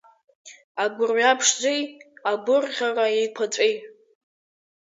Агәырҩа ԥшӡеи агәырӷьара еиқәаҵәеи…